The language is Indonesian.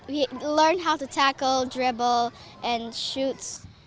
kita belajar bagaimana menangkap menyerang dan menembak